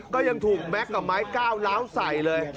ก็ยังถูกแม็กซ์กับไม้ก้าวล้าวใส่เลย